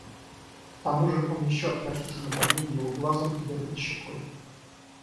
К тому же он еще отвратительно подмигивал глазом и дергал щекой.